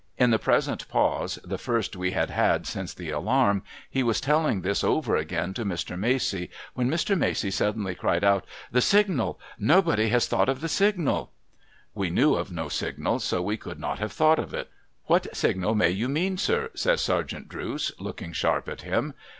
In the present pause, the first we had had since the alarm, he was telling this over again to Mr. Macey, when Mr. INIacey suddenly cried out :' The signal ! Nobody has thought of the signal !' We knew of no signal, so we could not have thought of it. ' What signal may you mean, sir ?' says Sergeant Drooce, looking sharp at him.